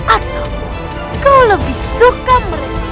atau kau lebih suka merindu